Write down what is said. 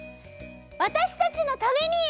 わたしたちのために！